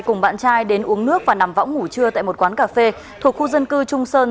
cùng bạn trai đến uống nước và nằm võng ngủ trưa tại một quán cà phê thuộc khu dân cư trung sơn